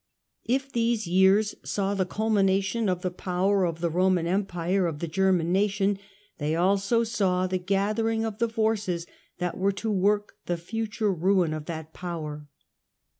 If these years saw the culmination of the power of the Eomaii Empire of the German Nation, they also saw the gatliering of the forces that were to work the future ruin of that power.